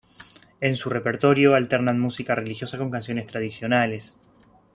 En su repertorio alternan música religiosa con canciones tradicionales.